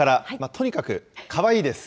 とにかくかわいいです。